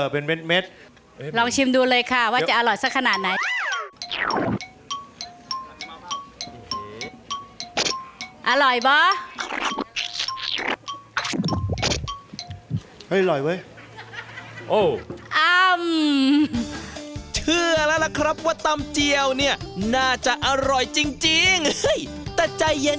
เป็นเม็ด